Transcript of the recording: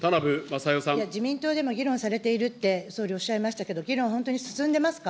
いや、自民党でも議論されているって、総理おっしゃいましたけれども、議論、本当に進んでますか。